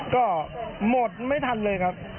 ก็หมดไม่ทันเลยครับ